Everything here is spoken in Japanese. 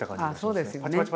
ああそうですよね。